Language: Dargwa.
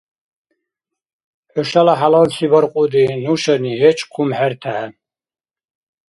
Хӏушала хӏялалси баркьуди нушани гьеч хъумхӏертехӏе.